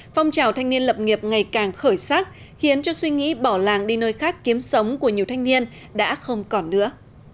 phong trào thanh niên lập nghiệp ngày càng khởi sắc khiến cho suy nghĩ bỏ làng đi nơi khác kiếm sống của nhiều thanh niên đã không còn nữa